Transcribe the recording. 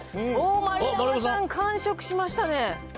丸山さん、完食しましたね。